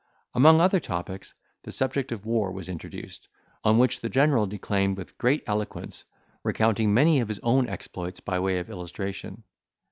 Among other topics, the subject of war was introduced, on which the general declaimed with great eloquence, recounting many of his own exploits by way of illustration.